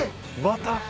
また？